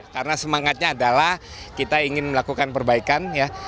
karena semangatnya adalah kita ingin melakukan perbaikan ya